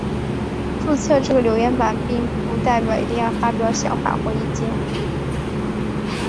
注册这个留言版并不代表一定要发表想法或意见。